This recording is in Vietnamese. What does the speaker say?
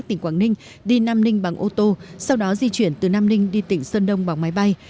tỉnh quảng ninh đi nam ninh bằng ô tô sau đó di chuyển từ nam ninh đi tỉnh sơn đông bằng máy bay